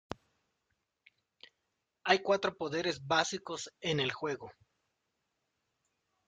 Hay cuatro poderes básicos en el juego.